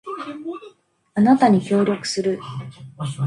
あなたに協力する